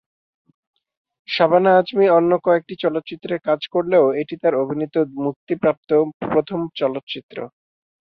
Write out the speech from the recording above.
শাবানা আজমি অন্য কয়েকটি চলচ্চিত্রে কাজ করলেও এটি তার অভিনীত মুক্তিপ্রাপ্ত প্রথম চলচ্চিত্র।